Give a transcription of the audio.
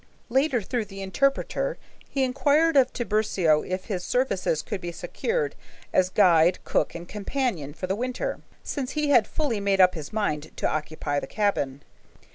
Later, through the interpreter he inquired of Tiburcio if his services could be secured as guide, cook, and companion for the winter, since he had fully made up his mind to occupy the cabin.